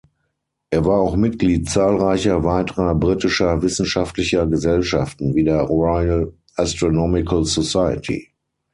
Er war auch Mitglied zahlreicher weiterer britischer wissenschaftlicher Gesellschaften wie der Royal Astronomical Society.